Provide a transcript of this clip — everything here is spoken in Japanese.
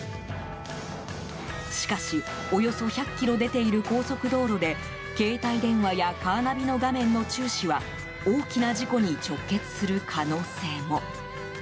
しかし、およそ１００キロ出ている高速道路で携帯電話やカーナビの画面の注視は大きな事故に直結する可能性も。